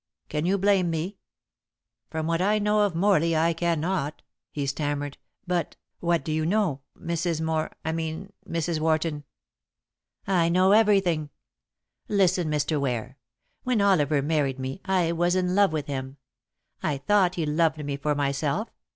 Can you blame me?" "From what I know of Morley I cannot," he stammered. "But what do you know, Mrs. Mor I mean Mrs. Warton?" "I know everything. Listen, Mr. Ware. When Oliver married me I was in love with him. I thought he loved me for myself.